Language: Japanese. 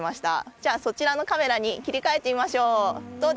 じゃあ、そちらのカメラに切り替えてみましょう。